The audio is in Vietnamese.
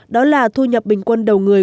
đó là thu nhập bình quân đầu người